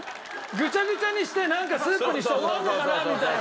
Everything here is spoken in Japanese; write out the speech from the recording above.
グチャグチャにしてなんかスープにして終わるのかなみたいな。